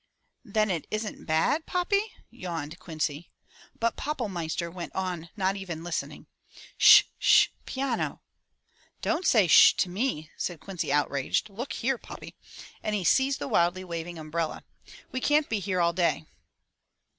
"Then it isn't bad, Poppy?'* yawned Quincy. But Pappelmeister went on not even listening. "Sh! Sh! Piano!" "Don't say Sh! to me!" cried Quincy outraged. "Look here, Poppy," and he seized the wildly waving umbrella. "We can't be here all day."